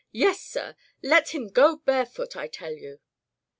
Yes, sir! Let him go barefoot, I tell you!'